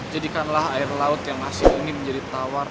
jadikanlah air laut yang masih ingin menjadi tawar